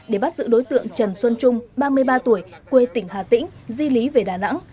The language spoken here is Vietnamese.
để bắt giữ đối tượng trần xuân trung ba mươi ba tuổi quê tỉnh hà tĩnh di lý về đà nẵng